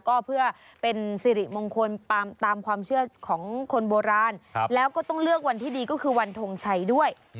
ก็เพื่อเป็นสิริมงคลตามความเชื่อของคนโบราณแล้วก็ต้องเลือกวันที่ดีก็คือวันทงชัยด้วย